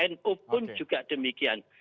no pun juga demikian